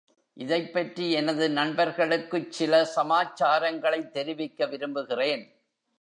இதைப்பற்றி எனது நண்பர்களுக்குச் சில சமாச்சாரங்களைத் தெரிவிக்க விரும்புகிறேன்.